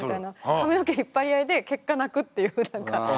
髪の毛引っ張り合いで結果泣くっていう何か。